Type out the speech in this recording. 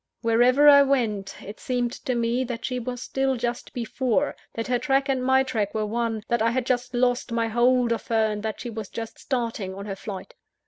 Wherever I went, it seemed to me that she was still just before; that her track and my track were one; that I had just lost my hold of her, and that she was just starting on her flight.